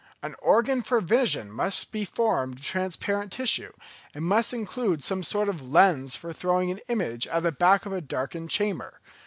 An organ for vision must be formed of transparent tissue, and must include some sort of lens for throwing an image at the back of a darkened chamber.